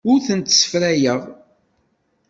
Ur tent-ssefrayeɣ.